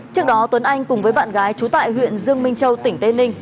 trước đó tuấn anh cùng với bạn gái trú tại huyện dương minh châu tỉnh tây ninh